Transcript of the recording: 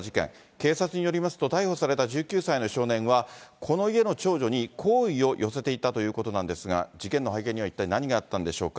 警察によりますと、逮捕された１９歳の少年は、この家の長女に好意を寄せていたということなんですが、事件の背景には一体何があったんでしょうか。